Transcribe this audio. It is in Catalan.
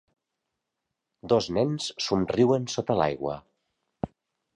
Dos nens somriuen sota l'aigua